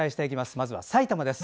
まずは埼玉です。